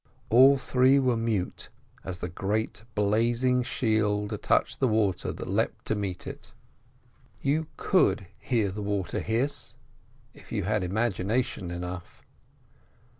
All three were mute as the great blazing shield touched the water that leapt to meet it. You could hear the water hiss—if you had imagination enough.